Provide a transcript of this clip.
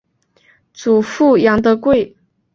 祖父杨德贵。